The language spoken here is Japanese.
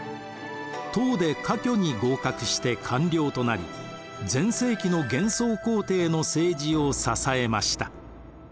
唐で科挙に合格して官僚となり全盛期の玄宗皇帝の政治を支えました。